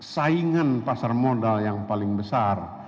saingan pasar modal yang paling besar